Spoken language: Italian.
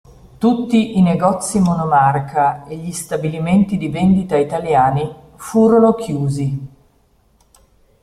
Tutti i negozi monomarca e gli stabilimenti di vendita italiani furono chiusi.